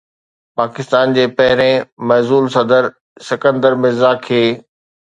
پاڪستان جي پهرين معزول صدر اسڪندر مرزا کي